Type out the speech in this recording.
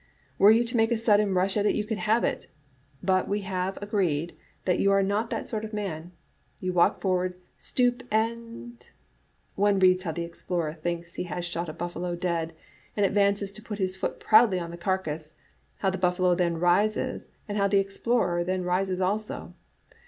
Were you to make a sudden rush at it you could have it, but we have agreed that you are not that sort of man. You walk forward, stoop and . One reads how the explorer thinks he has shot a buffalo dead, and advances to put his foot proudly on the carcass, how the buffalo then rises, and how the explorer then rises also.